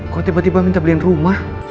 kok tiba tiba minta beliin rumah